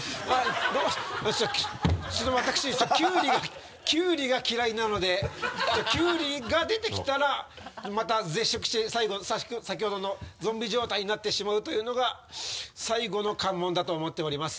私キュウリが嫌いなのでキュウリが出てきたらまた絶食して先ほどのゾンビ状態になってしまうというのが最後の関門だと思っております。